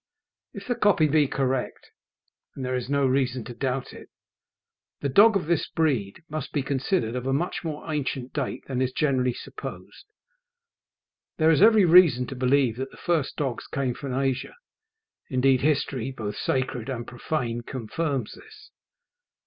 If the copy be correct, and there is no reason to doubt it, the dog of this breed must be considered of a much more ancient date than is generally supposed. There is every reason to believe that the first dogs came from Asia. Indeed, history, both sacred and profane, confirms this.